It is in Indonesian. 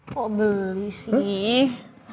kok beli sih